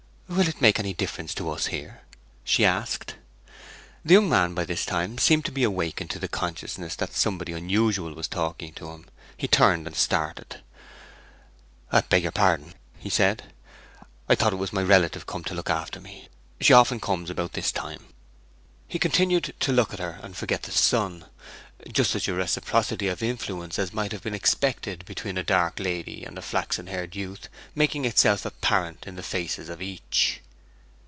'Will it make any difference to us here?' she asked. The young man by this time seemed to be awakened to the consciousness that somebody unusual was talking to him; he turned, and started. 'I beg your pardon,' he said. 'I thought it was my relative come to look after me! She often comes about this time.' He continued to look at her and forget the sun, just such a reciprocity of influence as might have been expected between a dark lady and a flaxen haired youth making itself apparent in the faces of each.